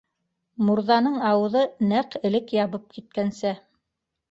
Мурҙаның ауыҙы нәҡ элек ябып киткәнсә.